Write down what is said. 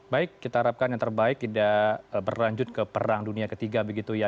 baik kita harapkan yang terbaik tidak berlanjut ke perang dunia ketiga begitu ya